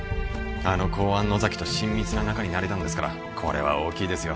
あの公安・野崎と親密な仲になれたんですからこれは大きいですよ